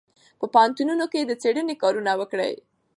په پوهنتونونو کې د څېړنې کارونه وکړئ.